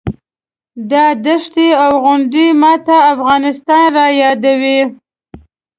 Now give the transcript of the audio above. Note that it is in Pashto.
دا دښتې او غونډۍ ماته افغانستان رایادوي.